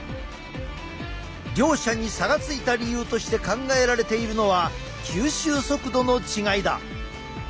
両者に差がついた理由として考えられているのは吸収速度の違いだ。